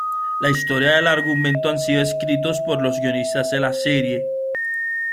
La historia y el argumento han sido escritos por los guionistas de la serie.